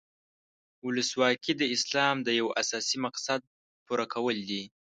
ولسواکي د اسلام د یو اساسي مقصد پوره کول دي.